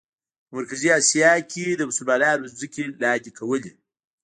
په مرکزي آسیا کې یې د مسلمانانو ځمکې لاندې کولې.